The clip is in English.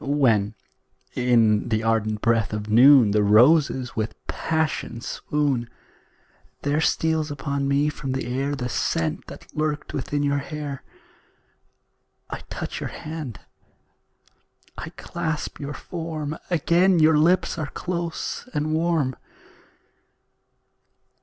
When, in the ardent breath of noon, The roses with passion swoon; There steals upon me from the air The scent that lurked within your hair; I touch your hand, I clasp your form Again your lips are close and warm.